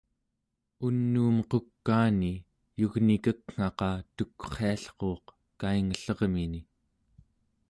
unuum qukaani yugnikek'ngaqa tukriallruuq kaingellermini